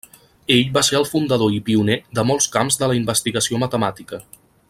Ell va ser el fundador i pioner de molts camps de la investigació matemàtica.